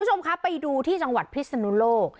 คุณผู้ชมครับไปดูที่จังหวัดพิศนุโลก